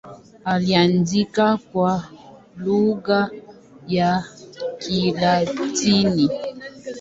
Aliandika kwa lugha ya Kilatini.